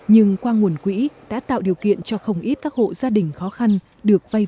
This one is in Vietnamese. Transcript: nhưng qua nguồn quỹ đã tạo điều kiện cho không ít các hộ gia đình khó khăn được vay